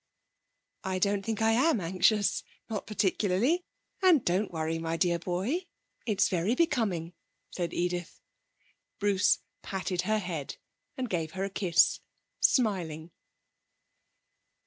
'I don't think I am anxious; not particularly. And don't worry, my dear boy; it's very becoming,' said Edith. Bruce patted her head, and gave her a kiss, smiling.